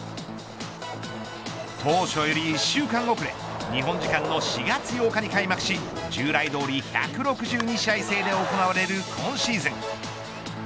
当初より１週間遅れ日本時間の４月８日に開幕し従来どおり１６２試合制で行われる今シーズン。